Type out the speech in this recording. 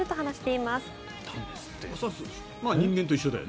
まあ人間と一緒だよね。